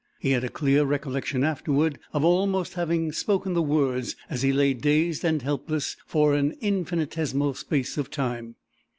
He had a clear recollection afterward of almost having spoken the words as he lay dazed and helpless for an infinitesimal space of time.